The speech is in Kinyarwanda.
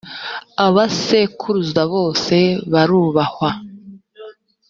abasekuruza bose barubahwa.